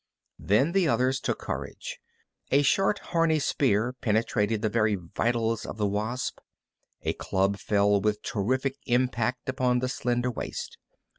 Then the others took courage. A short, horny spear penetrated the very vitals of the wasp. A club fell with terrific impact upon the slender waist.